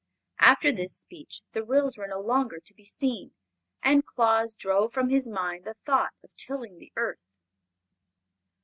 After this speech the Ryls were no longer to be seen, and Claus drove from his mind the thought of tilling the earth.